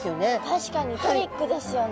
確かにトリックですよね。